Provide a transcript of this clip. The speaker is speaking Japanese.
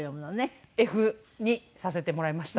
「笑福」にさせてもらいました。